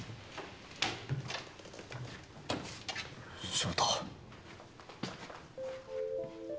翔太。